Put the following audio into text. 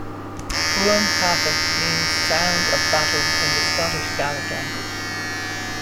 Fuaim Catha means 'Sound of Battle' in the Scottish Gaelic language.